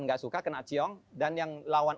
tidak suka kena cloning dan yang lawan